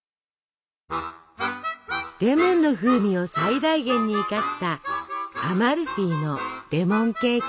レモンの風味を最大限に生かしたアマルフィのレモンケーキ。